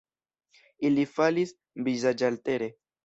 Ili falis vizaĝaltere.